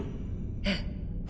ええ。